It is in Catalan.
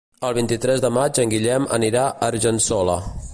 El vint-i-tres de maig en Guillem anirà a Argençola.